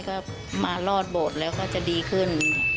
ก็มารอดโบสถ์แล้วก็จะดีขึ้น